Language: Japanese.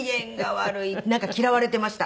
なんか嫌われていました。